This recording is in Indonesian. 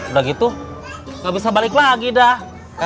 udah gitu nggak bisa balik lagi dah